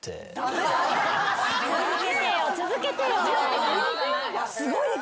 続けてよ続けてよ。